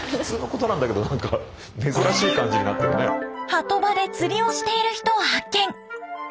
波止場で釣りをしている人を発見！